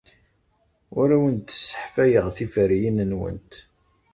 Ur awent-sseḥfayeɣ tiferyin-nwent.